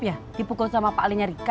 dia dihubungi oleh pak alinya rika